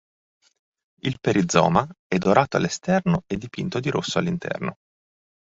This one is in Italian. Il perizoma è dorato all'esterno e dipinto di rosso all'interno.